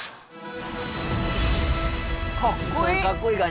かっこいい！